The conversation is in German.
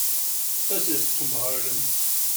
Es ist zum Heulen.